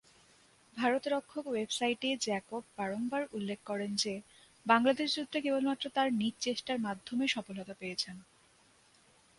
ভারত রক্ষক ওয়েবসাইটে জ্যাকব বারংবার উল্লেখ করেন যে, বাংলাদেশ যুদ্ধে কেবলমাত্র তার নিজ চেষ্টার মাধ্যমে সফলতা পেয়েছেন।